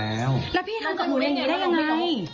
แล้วพี่ทำกับหนูอย่างนี้ได้ยังไง